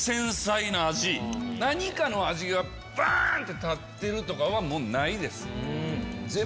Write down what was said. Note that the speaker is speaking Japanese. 何かの味がバン！って立ってるとかはないです。